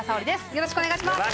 よろしくお願いします。